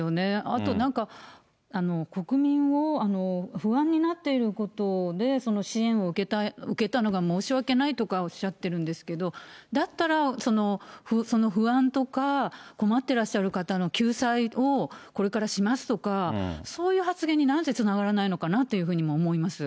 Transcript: あと、なんか国民を不安になっていることで支援を受けたのが申し訳ないとかおっしゃってるんですけど、だったら、その不安とか困ってらっしゃる方の救済をこれからしますとか、そういう発言になんでつながらないのかなって思います。